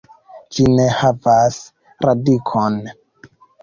Ĝi ne havas radikon.